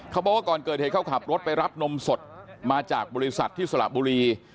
บอกว่าก่อนเกิดเหตุเขาขับรถไปรับนมสดมาจากบริษัทที่สระบุรี